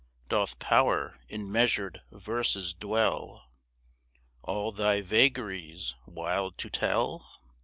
Doth power in measured verses dwell, All thy vagaries wild to tell?